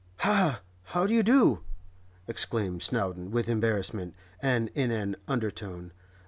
'Ha! How do you do?' exclaimed Snowdon, with embarrassment, and in an undertone.